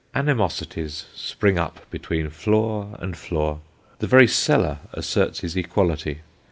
Animosities spring up between floor and floor ; the very cellar asserts his equality.